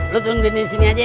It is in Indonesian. lu tunggu di sini aja